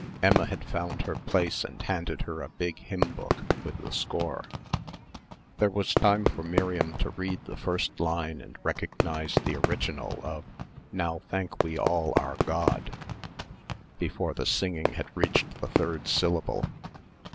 Emma had found her place and handed her a big hymn book with the score. There was time for Miriam to read the first line and recognise the original of "Now thank we all our God" before the singing had reached the third syllable.